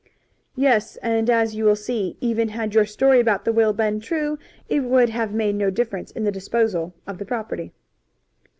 "Yes, and as you will see, even had your story about the will been true, it would have made no difference in the disposal of the property."